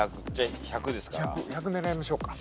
１００狙いましょうか。